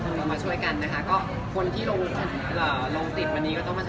คนที่ลงติดวันนี้ก็ต้องมาใช้วันนี้